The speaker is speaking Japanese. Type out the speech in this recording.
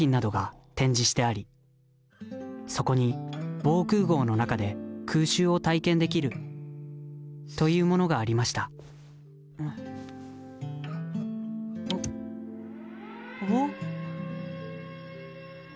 そこに防空壕の中で空襲を体験できるというものがありましたあっ。